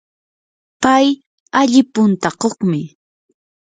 pay alli puntakuqmi.